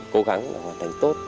cố gắng hoàn thành tốt